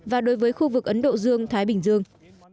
và đối với khu vực ấn độ dương thái bình dương